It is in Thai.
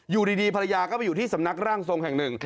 อยู่ดีภรรยาก็มีสำนักร่างทรงแห่งนึง